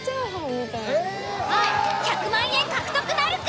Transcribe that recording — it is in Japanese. １００万円獲得なるか！？